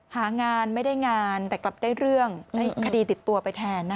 หางานไม่ได้งานแต่กลับได้เรื่องได้คดีติดตัวไปแทนนะคะ